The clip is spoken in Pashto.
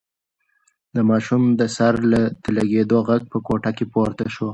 د ماشوم د سر د لگېدو غږ په کوټه کې پورته شو.